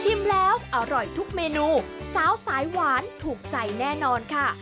แล้วอร่อยทุกเมนูสาวสายหวานถูกใจแน่นอนค่ะ